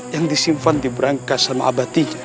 yang disimpan diberangkas sama abatinya